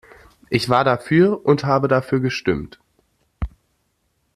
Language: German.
Ich war dafür und habe dafür gestimmt.